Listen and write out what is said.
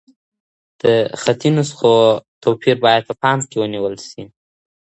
د خطي نسخو توپیر باید په پام کې ونیول شي.